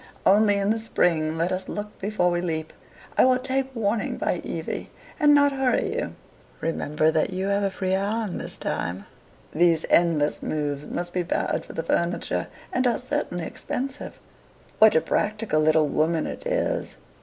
Only, in the spring, let us look before we leap. I will take warning by Evie, and not hurry you. Remember that you have a free hand this time. These endless moves must be bad for the furniture, and are certainly expensive." "What a practical little woman it is!